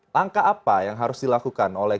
langkah apa yang harus dilakukan oleh